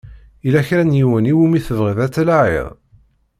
Yella kra n yiwen i wumi tebɣiḍ ad tlaɛiḍ?